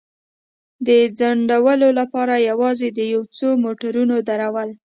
د ځنډولو لپاره یوازې د یو څو موټرو درول.